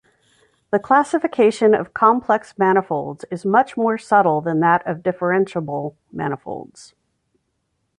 The classification of complex manifolds is much more subtle than that of differentiable manifolds.